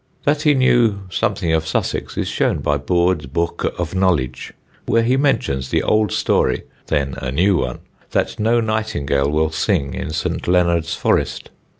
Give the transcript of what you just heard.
That he knew something of Sussex is shown by Boord's Boke of Knowledge, where he mentions the old story, then a new one, that no nightingale will sing in St. Leonard's Forest.